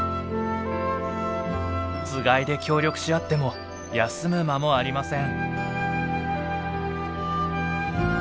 つがいで協力し合っても休む間もありません。